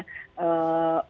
terima kasih pak menteri